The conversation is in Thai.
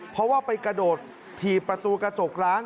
เพราะว่าไปกระโดดถีบประตูกระจกร้าน